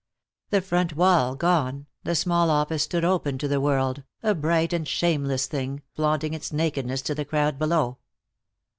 The front wall gone, the small office stood open to the world, a bright and shameless thing, flaunting its nakedness to the crowd below.